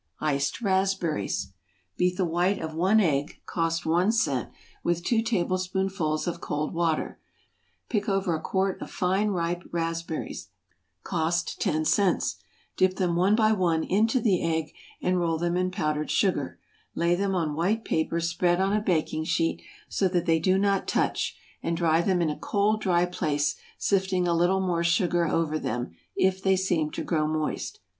=Iced Raspberries.= Beat the white of one egg, (cost one cent,) with two tablespoonfuls of cold water; pick over a quart of fine ripe raspberries, (cost ten cents,) dip them one by one into the egg, and roll them in powdered sugar; lay them on white paper spread on a baking sheet, so that they do not touch, and dry them in a cold, dry place, sifting a little more sugar over them, if they seem to grow moist.